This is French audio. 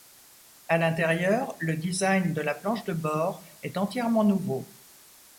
À l'intérieur, le design de la planche de bord est entièrement nouveau.